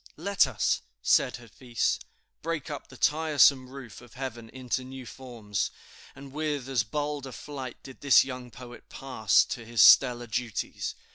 "Let us," said Hafiz, "break up the tiresome roof of heaven into new forms," and with as bold a flight did this young poet pass to his "stellar duties."